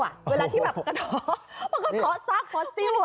เวลาที่แบบกระท้อมันกระท้อซอกฟอสซิลอ่ะ